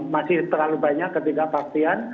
masih terlalu banyak ketidakpastian